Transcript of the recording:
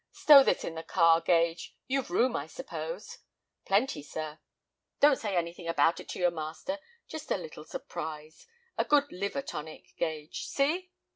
"Stow this in the car, Gage; you've room, I suppose." "Plenty, sir." "Don't say anything about it to your master. Just a little surprise, a good liver tonic, Gage—see?"